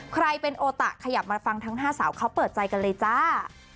ใครเป็นโอตะขยับมาฟังทั้ง๕สาวเขาเปิดใจกันเลยจ้า